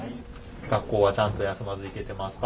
学校はちゃんと休まず行けてますか？